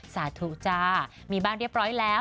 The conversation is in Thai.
สาธุจ้ามีบ้านเรียบร้อยแล้ว